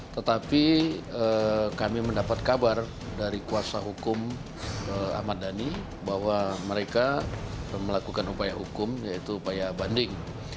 tetapi kami mendapat kabar dari kuasa hukum ahmad dhani bahwa mereka melakukan upaya hukum yaitu upaya banding